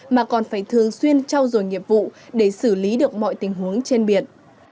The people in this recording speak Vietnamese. mà còn phải thường xuyên trao dồi nghiệp vụ để xử lý được mọi tình huống trên biển